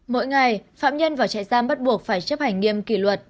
mỗi ngày phạm nhân vào trại giam bắt buộc phải chấp hành nghiêm kỷ luật